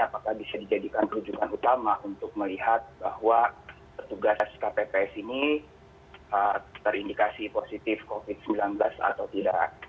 apakah bisa dijadikan perujukan utama untuk melihat bahwa petugas kpps ini terindikasi positif covid sembilan belas atau tidak